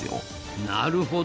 なるほど。